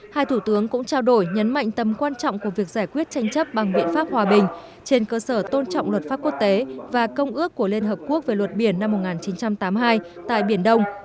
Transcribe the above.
hai thủ tướng cũng trao đổi nhấn mạnh tầm quan trọng của việc giải quyết tranh chấp bằng biện pháp hòa bình trên cơ sở tôn trọng luật pháp quốc tế và công ước của liên hợp quốc về luật biển năm một nghìn chín trăm tám mươi hai tại biển đông